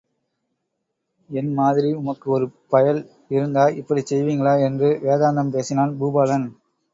என் மாதிரி உமக்கு ஒரு பயல் இருந்தா இப்புடிச் செய்வீங்களா? என்று வேதாந்தம் பேசினான் பூபாலன்.